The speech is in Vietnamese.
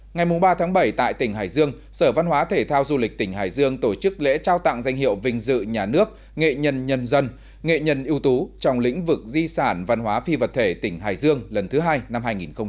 ngày ba bảy tại tỉnh hải dương sở văn hóa thể thao du lịch tỉnh hải dương tổ chức lễ trao tặng danh hiệu vinh dự nhà nước nghệ nhân nhân dân nghệ nhân ưu tú trong lĩnh vực di sản văn hóa phi vật thể tỉnh hải dương lần thứ hai năm hai nghìn một mươi chín